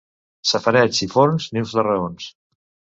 Safareigs i forns, nius de raons.